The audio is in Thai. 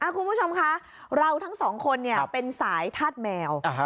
คุณผู้ชมคะเราทั้งสองคนเป็นสายธาตุแมว